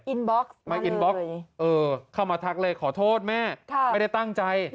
อินบ็อกซ์มาเริ่มเลยเออเข้ามาทักเลยขอโทษแม่ไม่ได้ตั้งใจครับ